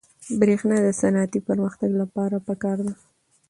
برېښنا د صنعتي پرمختګ لپاره پکار ده.